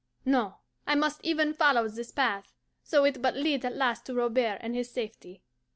No, I must even follow this path, so it but lead at last to Robert and his safety.